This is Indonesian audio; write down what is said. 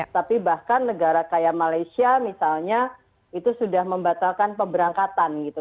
tapi bahkan negara kayak malaysia misalnya itu sudah membatalkan pemberangkatan gitu